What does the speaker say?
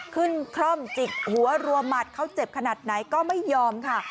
คล่อมจิกหัวรัวหมัดเขาเจ็บขนาดไหนก็ไม่ยอมค่ะ